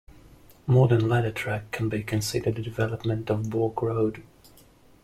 Modern ladder track can be considered a development of baulk road.